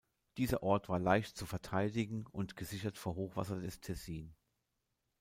Dieser Ort war leicht zu verteidigen und gesichert vor Hochwasser des Tessin.